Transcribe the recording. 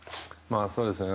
そうですね。